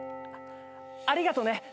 ありがとね。